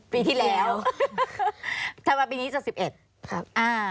ปีที่แล้วธันวาค์ปีนี้จะ๑๑ครับ